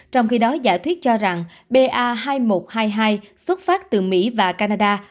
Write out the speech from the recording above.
trong khi đó giả thuyết cho rằng ba hai một hai hai xuất phát từ mỹ và canada